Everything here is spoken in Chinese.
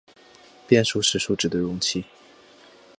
变数是数值的容器。